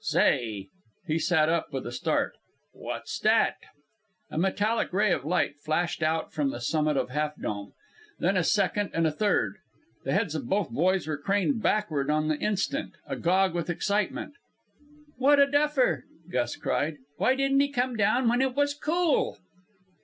"Say!" He sat up with a start. "What's that?" A metallic ray of light flashed out from the summit of Half Dome, then a second and a third. The heads of both boys were craned backward on the instant, agog with excitement. "What a duffer!" Gus cried. "Why didn't he come down when it was cool?"